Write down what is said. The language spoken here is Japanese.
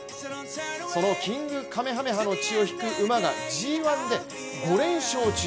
そのキングカメハメハの血を引く馬がＧⅠで５連勝中。